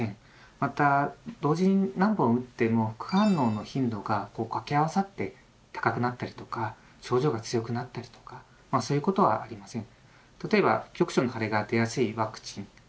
また同時に何本打っても副反応の頻度が掛け合わさって高くなったりとか症状が強くなったりとかそういうことはありません。